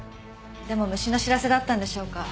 でも虫の知らせだったんでしょうか